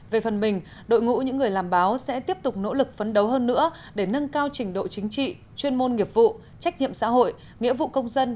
về phần mình đội ngũ những người làm báo sẽ tiếp tục nỗ lực phấn đấu hơn nữa để nâng cao trình độ chính trị chuyên môn nghiệp vụ trách nhiệm xã hội nghĩa vụ công dân